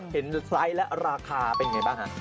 เห็นไซซ์และราคาเป็นไงบ้าง